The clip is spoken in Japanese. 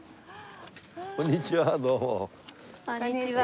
こんにちは。